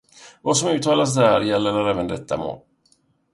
Vad som uttalats där gäller även i detta mål.